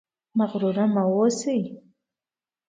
مغرور مه اوسئ